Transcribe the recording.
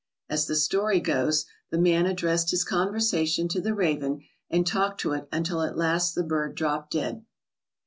As the story goes, the man addressed his conversation to the raven and talked to it until at last the bird dropped dead.